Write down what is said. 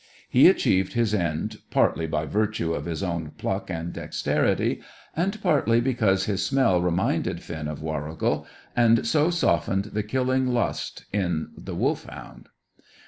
He achieved his end, partly by virtue of his own pluck and dexterity, and partly because his smell reminded Finn of Warrigal, and so softened the killing lust in the Wolfhound.